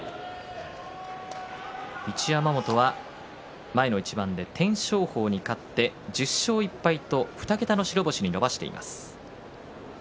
一山本は前の一番で天照鵬に勝って１０勝１敗と２桁の白星に伸ばしています。